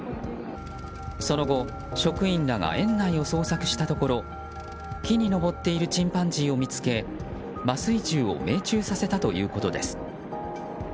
その後職員らが園内を捜索したところ木に登っているチンパンジーを見つけ麻酔銃を命中させたということです。